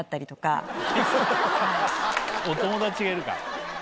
お友達がいるから。